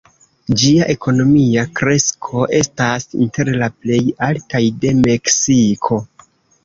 Ĝia ekonomia kresko estas inter la plej altaj de Meksiko.